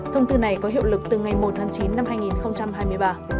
thông tư này có hiệu lực từ ngày một tháng chín năm hai nghìn hai mươi ba